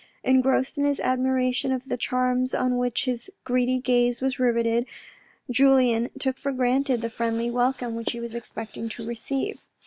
Engrossed in his admiration of the charms on which his his greedy gaze was riveted, Julien took for granted the friendly A JOURNEY 73 welcome which he was expecting to receive.